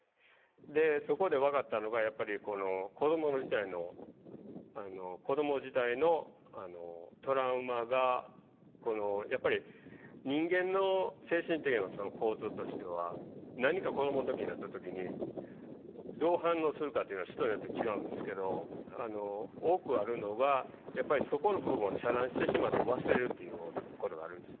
でそこで分かったのがやっぱり子ども時代のトラウマがやっぱり人間の精神的な構造としては何か子どもの時にあった時にどう反応するかっていうのは人によって違うんですけど多くあるのがやっぱりそこの部分を遮断してしまって忘れるっていうようなことがあるんです。